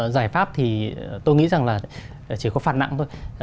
giải pháp thì tôi nghĩ rằng là chỉ có phản nặng thôi